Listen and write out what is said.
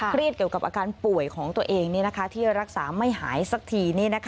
เกี่ยวกับอาการป่วยของตัวเองที่รักษาไม่หายสักที